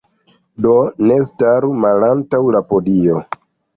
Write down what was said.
Do, ne staru malantaŭ la podio.